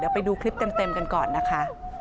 เดี๋ยวไปดูคลิปเต็มกันก่อนนะคะ